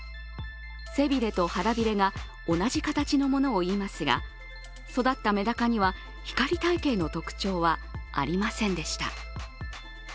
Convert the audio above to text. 背びれと腹びれが同じ形のものをいいますが育ったメダカにはヒカリ体型の特徴はありませんでした。